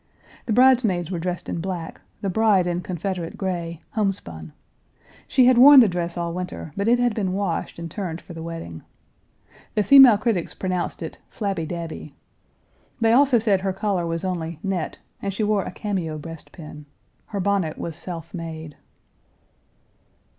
The bridesmaids were Page 301 dressed in black, the bride in Confederate gray, homespun. She had worn the dress all winter, but it had been washed and turned for the wedding. The female critics pronounced it "flabby dabby." They also said her collar was only "net," and she wore a cameo breastpin. Her bonnet was self made.